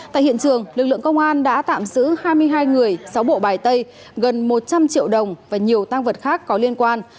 tại hiện trường lực lượng công an đã tạm giữ hai mươi hai người sáu bộ bài tay gần một trăm linh triệu đồng và nhiều tăng vật khác có liên quan